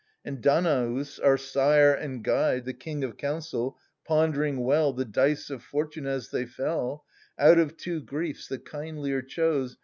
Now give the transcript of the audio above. And Danaus, our sire and guide. The king of counsel, pond'ring well The dice of fortune as they fell, Out of two griefs the kindlier chose.